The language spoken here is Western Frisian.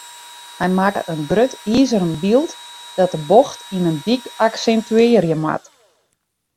Hy makke in grut izeren byld dat de bocht yn in dyk aksintuearje moat.